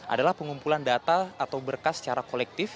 adalah pengumpulan data atau berkas secara kolektif